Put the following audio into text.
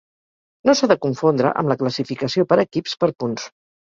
No s'ha de confondre amb la classificació per equips per punts.